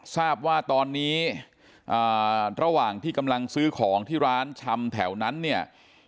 ทราบว่าตอนนี้ระหว่างที่กำลังซื้อของที่ร้านชำแถวนั้นเนี่ย